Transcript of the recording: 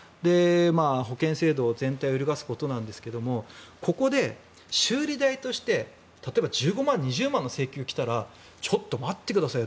保険制度全体を揺るがすことなんですがここで修理代として例えば１５万、２０万の請求が来たらちょっと待ってくださいよ